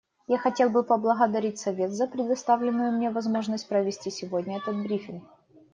Я хотел бы поблагодарить Совет за предоставленную мне возможность провести сегодня этот брифинг.